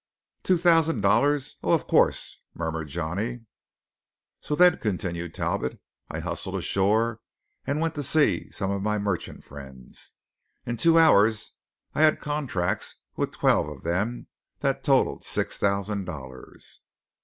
"Two thousand dollars oh, of course!" murmured Johnny. "So then," continued Talbot, "I hustled ashore; and went to see some of my merchant friends. In two hours I had contracts with twelve of them that totalled six thousand dollars."